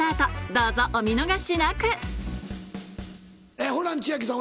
どうぞお見逃しなくホラン千秋さん